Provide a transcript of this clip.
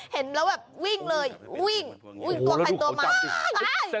เห็นแล้วแบบวิ่งเลยวิ่งกว่าใครตัวมา